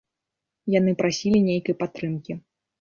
Яны прасілі нейкай падтрымкі.